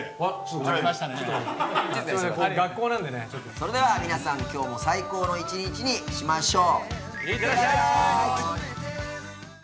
それでは皆さん、今日も最高の一日にしましょう。